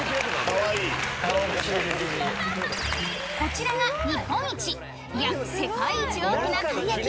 ［こちらが日本一いや世界一大きなたい焼き］